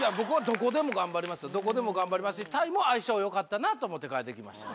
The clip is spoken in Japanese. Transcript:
どこでも頑張りますしタイも相性良かったなと思って帰ってきました。